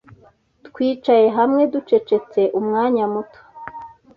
Twicaye hamwe ducecetse umwanya muto.